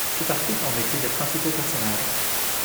Cet article en décrit les principaux personnages.